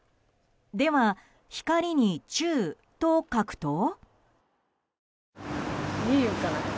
では「光」に「宙」と書くと？